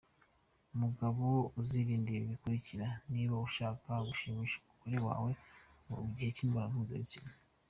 Mugabo uzirinde ibi bikurikira niba ushaka gushimisha umugore wawe mu gihe cy'imibonano mpuzabitsina.